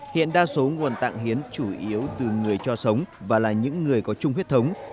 hiện đa số nguồn tạng hiến chủ yếu từ người cho sống và là những người có chung huyết thống